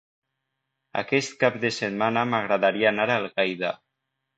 Aquest cap de setmana m'agradaria anar a Algaida.